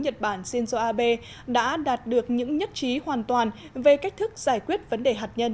nhật bản shinzo abe đã đạt được những nhất trí hoàn toàn về cách thức giải quyết vấn đề hạt nhân